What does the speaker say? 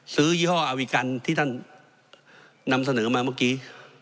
ยี่ห้ออวิกันที่ท่านนำเสนอมาเมื่อกี้